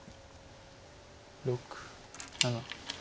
６７。